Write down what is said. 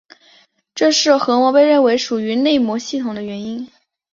这是核膜被认为属于内膜系统的原因。